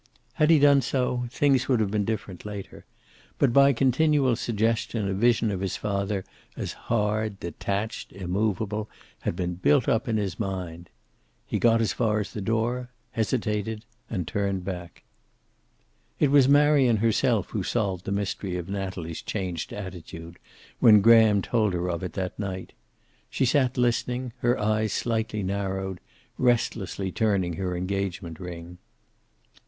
Had he done so, things would have been different later. But by continual suggestion a vision of his father as hard, detached, immovable, had been built up in his mind. He got as far as the door, hesitated, turned back. It was Marion herself who solved the mystery of Natalie's changed attitude, when Graham told of it that night. She sat listening, her eyes slightly narrowed, restlessly turning her engagement ring.